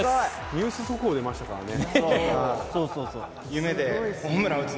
ニュース速報出ましたからね。